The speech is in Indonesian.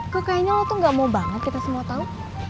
kok kayaknya lo tuh gak mau banget kita semua tau